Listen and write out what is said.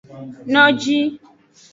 Noji.